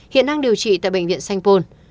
hiện đang điều trị tại bệnh viện sanh pôn